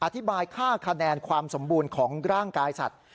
อธิบายค่าคะแนนความสมบูรณ์ของร่างกายสัตว์